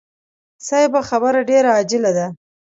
صيب خبره ډېره عاجله ده.